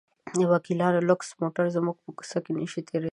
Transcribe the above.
د وکیلانو لوکس موټرونه زموږ په کوڅه کې نه شي تېرېدلی.